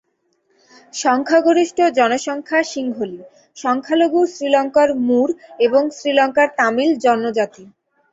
সংখ্যাগরিষ্ঠ জনসংখ্যা সিংহলি, সংখ্যালঘু শ্রীলঙ্কার মুর এবং শ্রীলঙ্কার তামিল জনজাতি।